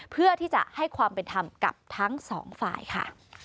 เพื่อที่จะให้ความเป็นธรรมกับทั้งสองฝ่ายค่ะ